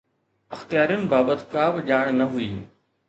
اختيارن بابت ڪا به ڄاڻ نه هئي